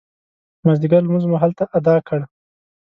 مازدیګر لمونځ مو هلته اداء کړ.